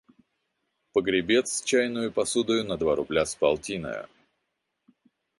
Погребец с чайною посудою на два рубля с полтиною…»